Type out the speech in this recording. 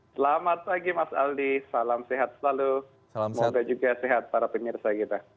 selamat pagi mas aldi salam sehat selalu semoga juga sehat para pemirsa kita